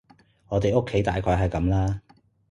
我哋屋企大概係噉啦